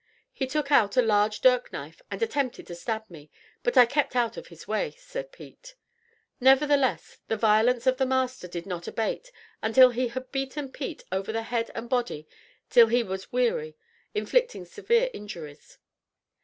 "He took out a large dirk knife, and attempted to stab me, but I kept out of his way," said Pete. Nevertheless the violence of the master did not abate until he had beaten Pete over the head and body till he was weary, inflicting severe injuries.